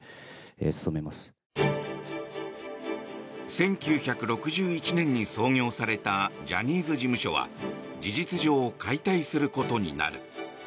１９６１年に創業されたジャニーズ事務所は事実上解体することになる。